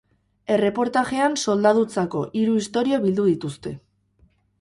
Erreportajean soldadutzako hiru istorio bildu dituzte.